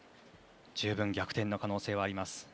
十分、逆転の可能性はあります。